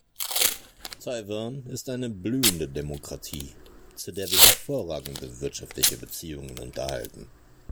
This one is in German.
Taiwan ist eine blühende Demokratie, zu der wir hervorragende wirtschaftliche Beziehungen unterhalten.